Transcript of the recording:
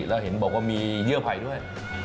แล้วเห็นบอกว่ามีเยื่อไผ่ด้วย